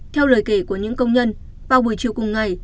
theo lời kể của những công nhân vào buổi chiều cùng ngày